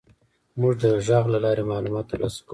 موږ د غږ له لارې معلومات تر لاسه کوو.